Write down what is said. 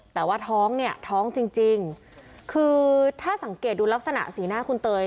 แต่ว่าท้องเนี่ยท้องจริงคือถ้าสังเกตดูลักษณะสีหน้าคุณเตย